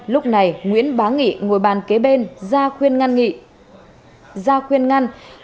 lúc này nguyễn bá nghị ngồi bàn kế bên ra khuyên ngăn nghị